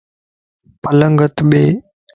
پلنگ ات ٻي